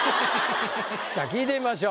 さあ聞いてみましょう。